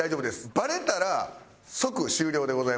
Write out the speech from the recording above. バレたら即終了でございます。